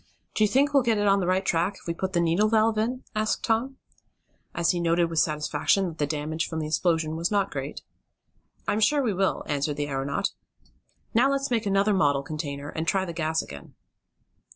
"Do you think we'll get on the right track if we put the needle valve in?" asked Tom, as he noted with satisfaction that the damage from the explosion was not great. "I'm sure we will," answered the aeronaut. "Now let's make another model container, and try the gas again."